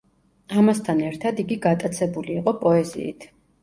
ამასთან ერთად იგი გატაცებული იყო პოეზიით.